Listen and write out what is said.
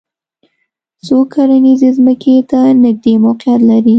څوک کرنیزې ځمکې ته نږدې موقعیت لري